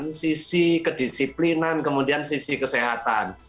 dari sisi kedisiplinan kemudian sisi kesehatan